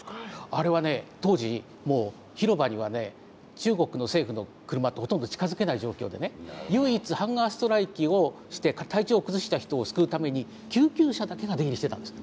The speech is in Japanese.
あれはね当時もう広場にはね中国の政府の車ってほとんど近づけない状況でね唯一ハンガーストライキをして体調崩した人を救うために救急車だけが出入りしてたんです。